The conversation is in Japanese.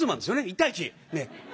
１対１。